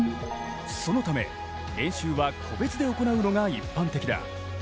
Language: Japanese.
そのため、練習は個別で行うのが一般的だ。